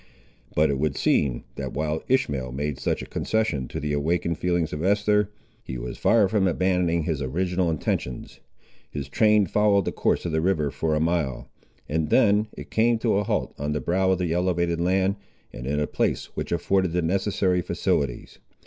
But it would seem that while Ishmael made such a concession to the awakened feelings of Esther, he was far from abandoning his original intentions. His train followed the course of the river for a mile, and then it came to a halt on the brow of the elevated land, and in a place which afforded the necessary facilities.